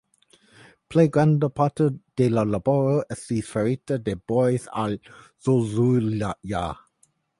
Plej granda parto de la laboro estis farita de Boris A. Zozulja.